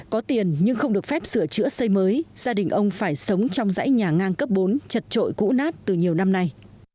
có tiền nhưng không được phép sửa chữa xây mới gia đình ông phải sống trong dãy nhà ngang cấp bốn chật trội cũ nát từ nhiều năm nay